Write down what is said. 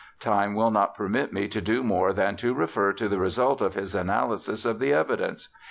Time will not permit me to do more than to refer to the result of his analysis of the evidence.